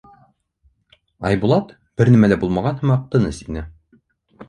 Айбулат, бер нәмә лә булмаған һымаҡ, тыныс ине.